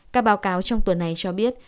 các báo cáo trong tuần này cho biết